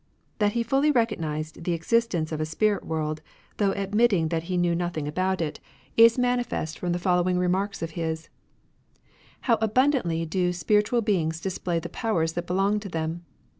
That he fully recognised the existence of a spirit world, though admitting that he knew nothing about 34 CONFUCIANISM it, is manifest from the following remarks of his :—'^ How abmidantly do spiritual beings display the powers that belong to them